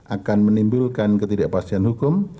akan menimbulkan ketidakpastian hukum